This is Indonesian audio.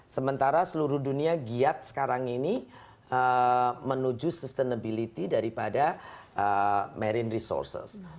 sementara seluruh dunia giat sekarang ini menuju sustainability daripada marine resources